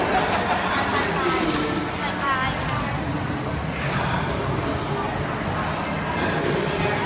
สาธิตรีสาธิตรีสาธิตรีสาธิตรี